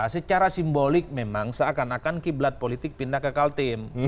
secara simbolik memang seakan akan kiblat politik pindah ke kaltim